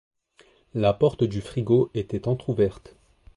La porte du frigo était entrouverte